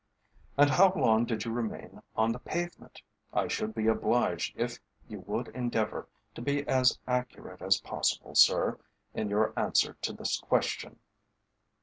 "And how long did you remain on the pavement? I should be obliged if you would endeavour to be as accurate as possible, sir, in your answer to this question."